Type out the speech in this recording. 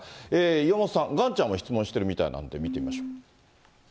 岩本さん、ガンちゃんも質問してるみたいなんで、見てみましょう。